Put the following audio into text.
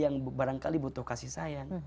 yang barangkali butuh kasih sayang